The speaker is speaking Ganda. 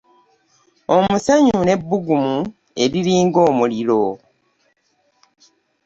Omusenyu n'ebbugumu eriringa omuliro.